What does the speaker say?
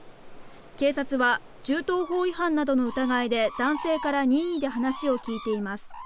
警察は銃刀法違反などの疑いで男性から任意で話を聞いています。